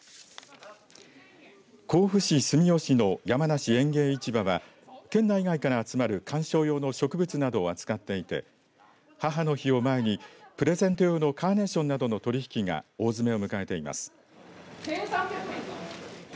甲府市住吉の山梨園芸市場は県内外から集まる観賞用の植物などを扱っていて母の日を前にプレゼント用のカーネーションなどの取り引きが大詰めを迎えています。